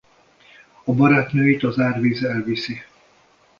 A barátnőit az árvíz elviszi.